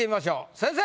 先生！